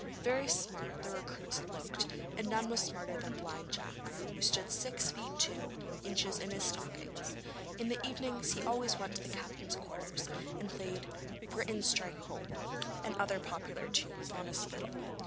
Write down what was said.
Very smart the recruits looked, and none was smarter than Blind Jack, who stood six feet two inches in his stockings. In the evenings he always went to the captain's quarters, and played 'Britons, strike home,' and other popular tunes, on his fiddle.